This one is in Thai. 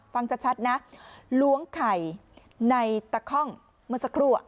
ฟังชัดนะล้วงไข่ในตะค่องเมื่อสักครู่